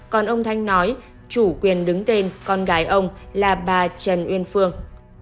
còn ông thanh nói chủ quyền đứng tên con gái ông là bà trần uyên phương